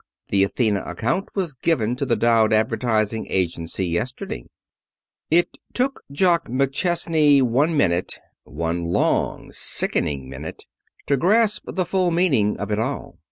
"The Athena account was given to the Dowd Advertising Agency yesterday." It took Jock McChesney one minute one long, sickening minute to grasp the full meaning of it all.